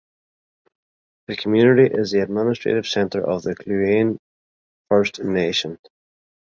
The community is the administrative centre of the Kluane First Nation.